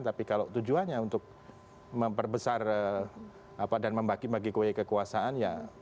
tapi kalau tujuannya untuk memperbesar dan membagi bagi kue kekuasaan ya